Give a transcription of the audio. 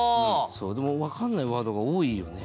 でも分かんないワードが多いよね。